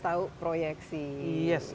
tahu proyeksi yes